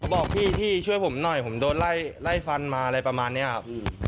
บอกพี่พี่ช่วยผมหน่อยผมโดนไล่ฟันมาอะไรประมาณนี้ครับ